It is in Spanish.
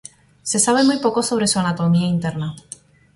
Se sabe muy poco sobre su anatomía interna.